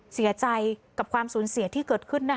เสียใจกับความสูญเสียที่เกิดขึ้น